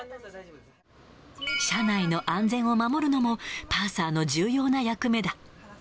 車内の安全を守るのも、パーサーの重要な役目だ。